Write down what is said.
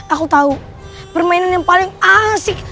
aku tahu permainan yang paling asik